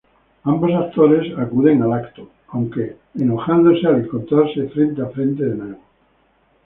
Ambos actores acuden al evento aunque enojado al encontrarse frente a frente de nuevo.